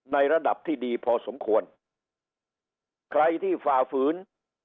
ในระดับที่ดีพอสมควรใครที่ฝ่าฝืน